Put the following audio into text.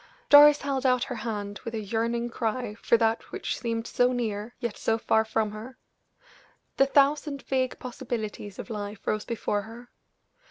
Doris held out her hands with a yearning cry for that which seemed so near, yet so far from her; the thousand vague possibilities of life rose before her.